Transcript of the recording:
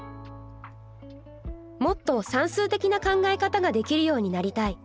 「もっと算数的な考え方ができるようになりたい。